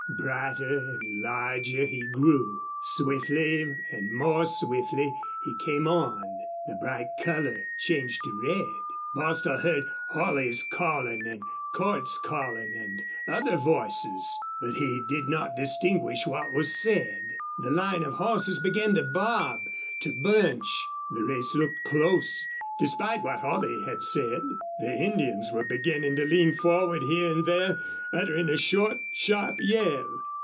Brighter and larger he grew. Swiftly and more swiftly he came on. The bright color changed to red. Bostil heard Holley calling and Cordts calling and other voices, but he did not distinguish what was said. The line of horses began to bob, to bunch. The race looked close, despite what Holley had said. The Indians were beginning to lean forward, here and there uttering a short, sharp yell.